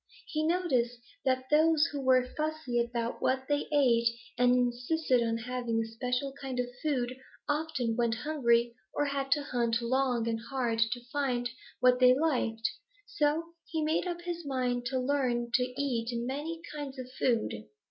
He noticed that those who were fussy about what they ate and insisted on having a special kind of food often went hungry or had to hunt long and hard to find what they liked, so he made up his mind to learn to eat many kinds of food.